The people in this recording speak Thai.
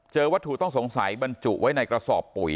วัตถุต้องสงสัยบรรจุไว้ในกระสอบปุ๋ย